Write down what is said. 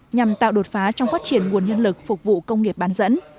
nhằm tạo đột phá trong phát triển nguồn nhân lực phục vụ công nghiệp bán dẫn